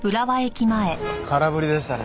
空振りでしたね。